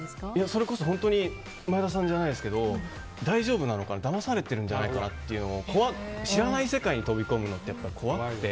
それこそ本当に前田さんじゃないですけど大丈夫なのかなだまされているんじゃないかと知らない世界に飛び込むのってやっぱり怖くて。